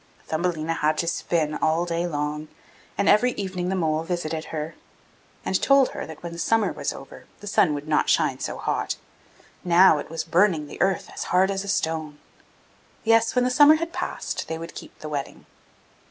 Thumbelina had to spin all day long, and every evening the mole visited her, and told her that when the summer was over the sun would not shine so hot; now it was burning the earth as hard as a stone. Yes, when the summer had passed, they would keep the wedding.